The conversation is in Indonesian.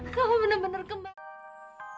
kamu benar benar kembali